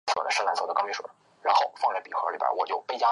在内罗毕完成高中及高中以前阶段的教育。